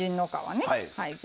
はい。